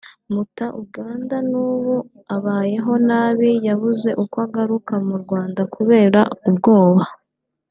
muta Uganda n’ubu abayeho nabi yabuze uko agaruka mu Rwanda kubera ubwoba